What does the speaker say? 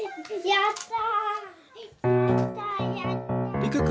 やった！